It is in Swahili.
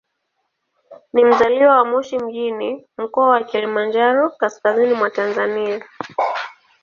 Ni mzaliwa wa Moshi mjini, Mkoa wa Kilimanjaro, kaskazini mwa Tanzania.